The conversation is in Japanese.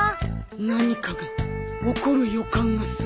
何かが起こる予感がする。